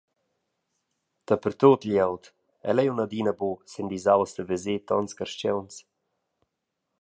Dapertut glieud, el ei aunc adina buca s’endisaus da veser tons carstgauns.